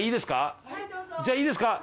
じゃあいいですか。